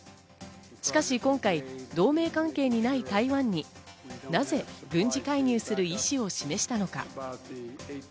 しかし今回、同盟関係にない台湾になぜ軍事介入する意思を示したのか。